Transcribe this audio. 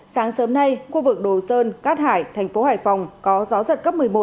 sáng sớm nay khu vực đồ sơn cát hải thành phố hải phòng có gió giật cấp một mươi một